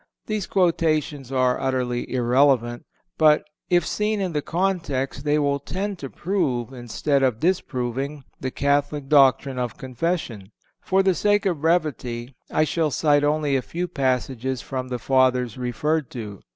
These quotations are utterly irrelevant; but, if seen in the context, they will tend to prove, instead of disproving, the Catholic doctrine of Confession. For the sake of brevity I shall cite only a few passages from the Fathers referred to.